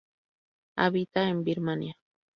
Habita en Birmania.